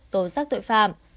tố giác tội phạm